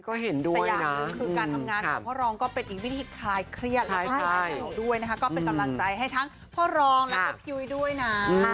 ก็เป็นกำลังใจให้ทั้งพ่อรองและกับพิวด้วยนะ